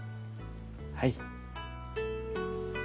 はい。